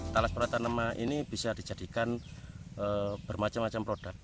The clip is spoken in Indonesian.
talas perotan lemah ini bisa dijadikan bermacam macam produk